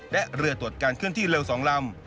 และเรือตรวจการเคลื่อนที่เร็ว๒ลำ